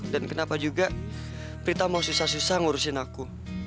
dan kenapa juga prita mau susah susah ngurusin aku